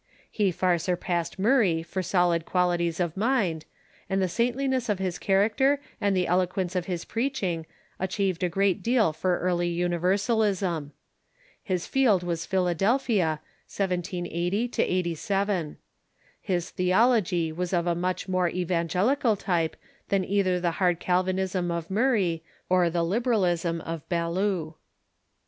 He far surpassed Murray for solid qualities of mind, and the saintliness of his character and the eloquence of his preaching achieved a great deal for early ITniversalism. His field Avas Philadelphia, 1780 87. His theology was of a much more evangelical type than either the hard Calvinism of Murray or the liberalism of Ballou.